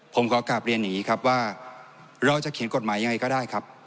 ผมขอกลับเรียนอย่างนี้ครับว่าเราจะเขียนกฎหมายยังไงก็ได้ครับ